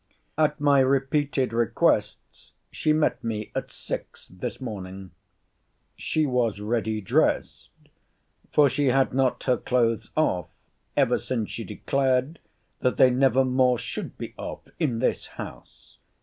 At my repeated requests, she met me at six this morning. She was ready dressed; for she had not her clothes off every since she declared, that they never more should be off in this house.